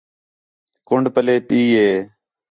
کُنڈ پلے پئی ہِے